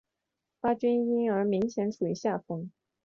巴军因而明显处于下风。